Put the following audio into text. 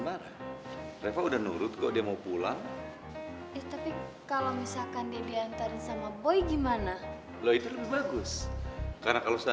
yaudah kalau gitu saya bantuin ya bu ya